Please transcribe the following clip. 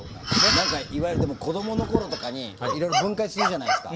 何かいわゆるでも子供の頃とかにいろいろ分解するじゃないですか。